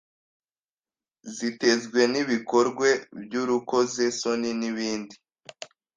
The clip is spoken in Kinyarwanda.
zitezwe n’ibikorwe by’urukozesoni n’ibindi